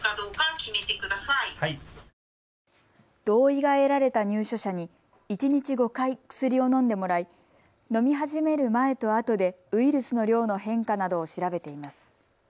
同意が得られた入所者に一日５回、薬を飲んでもらい飲み始める前とあとでウイルスの量の変化などを調べています。